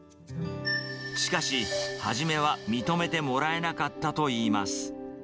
しかし初めは認めてもらえなかったといいます。